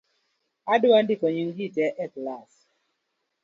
Adwa ndiko nying’ jii tee e klass